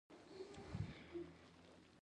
دا په سوداګریزو معاملاتو په برخه کې نوښتونه و